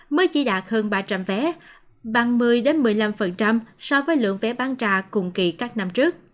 mới chỉ đạt hơn ba trăm linh vé bằng một mươi một mươi năm so với lượng vé bán trà cùng kỳ các năm trước